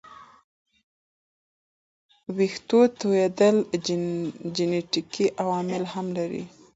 ویښتو توېیدل جنیټیکي عوامل هم لري.